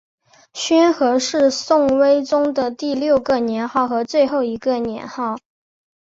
宣和是宋徽宗的第六个年号和最后一个年号。